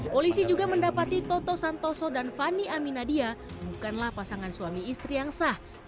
polisi juga mendapati toto santoso dan fani aminadia bukanlah pasangan suami istri yang sah